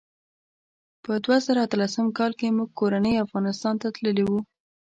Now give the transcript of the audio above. په دوه زره اتلسم کال کې موږ کورنۍ افغانستان ته تللي وو.